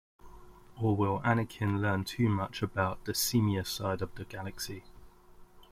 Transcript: Or will Anakin learn too much about the seamier side of the galaxy?